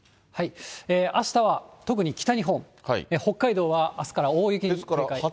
あしたは、特に北日本、北海道はあすから大雪に警戒。